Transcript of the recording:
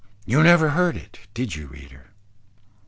_ You never heard it, did you reader?